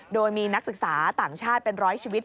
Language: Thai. โดยมีนักศึกษาต่างชาติเป็นร้อยชีวิต